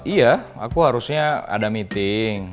iya aku harusnya ada meeting